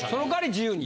自由に。